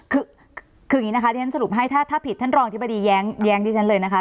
คือคืออย่างนี้นะคะที่ฉันสรุปให้ถ้าผิดท่านรองอธิบดีแย้งที่ฉันเลยนะคะ